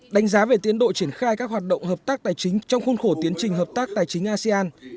đánh giá về tiến độ triển khai các hoạt động hợp tác tài chính trong khuôn khổ tiến trình hợp tác tài chính asean